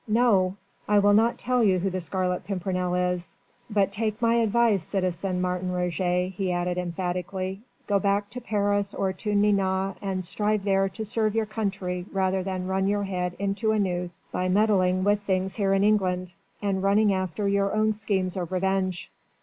No! I will not tell you who the Scarlet Pimpernel is. But take my advice, citizen Martin Roget," he added emphatically, "go back to Paris or to Nantes and strive there to serve your country rather than run your head into a noose by meddling with things here in England, and running after your own schemes of revenge."